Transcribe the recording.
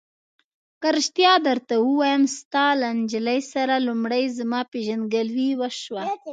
که رښتیا درته ووایم، ستا له نجلۍ سره لومړی زما پېژندګلوي وشوه.